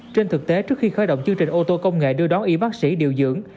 trên thực tế trước khi khởi động chương trình ô tô công nghệ đưa đón y bác sĩ điều dưỡng